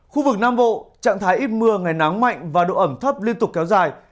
khu vực nam bộ trạng thái ít mưa ngày nắng mạnh và độ ẩm thấp liên tục kéo dài